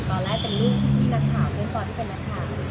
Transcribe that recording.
ตอนแรกเป็นลูกพี่นักข่าวพี่ฟอสที่เป็นนักข่าว